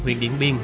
huyện điện biên